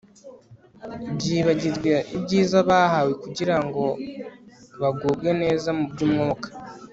byibagirwa ibyiza bahawe kugira ngo kugira ngo bagubwe neza mu byumwuka